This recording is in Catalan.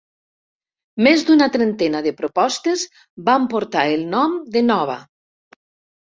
Més d'una trentena de propostes van portar el nom de Nova.